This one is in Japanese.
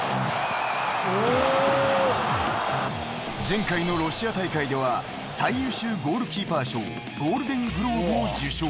［前回のロシア大会では最優秀ゴールキーパー賞ゴールデングローブを受賞］